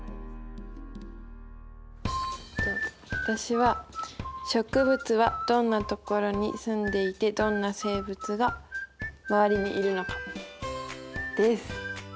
私は「植物はどんなところに住んでいてどんな生物がまわりにいるのか」です。